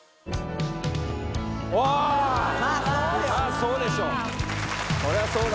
まぁそうでしょう！